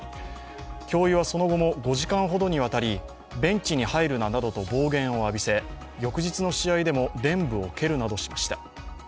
教諭は、その後も５時間ほどにわたりベンチに入るななどと暴言を浴びせ、翌日の試合でも臀部を蹴るなどしました。